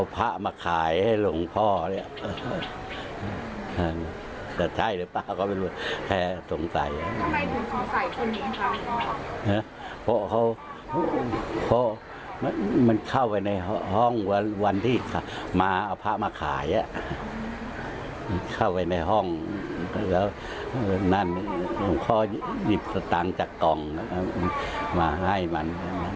เพราะว่านั้นข้อหยิบต่างจากกล่องมาให้มัน